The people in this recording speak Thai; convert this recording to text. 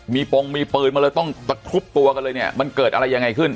มีปงมีปืนมาเลยต้องตะครุบตัวกันเลยเนี่ยมันเกิดอะไรยังไงขึ้น